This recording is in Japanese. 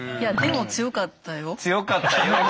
強かったよ。